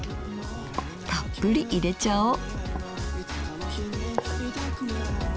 たっぷり入れちゃおう。